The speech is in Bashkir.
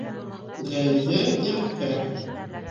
Йәйге иртә.